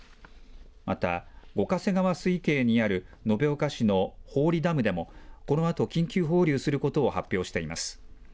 また五ヶ瀬川水系にある延岡市の祝子ダムでも、このあと緊急放流することを発表しています。